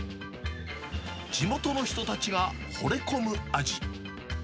地元の人たちがほれ込む味。